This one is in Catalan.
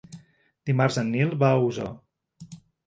Dimarts en Nil va a Osor.